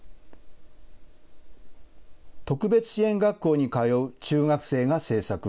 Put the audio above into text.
特別支援学校に通う中学生が制作。